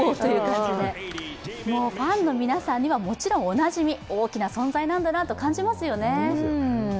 もうファンの皆さんにはもちろんおなじみ、大きな存在なんだなと感じますよね。